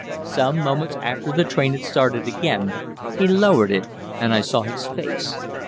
Some moments after the train had started again, he lowered it, and I saw his face.